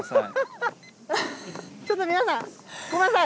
ちょっと皆さん、ごめんなさい。